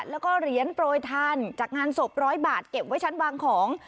แล้วก็เหรียญโปรยทานจากงานศพ๑๐๐บาทเก็บไว้ชั้นวางของ